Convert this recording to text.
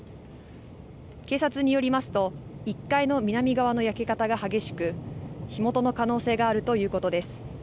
警察によりますと、１階の南側の焼け方が激しく、火元の可能性があるということです。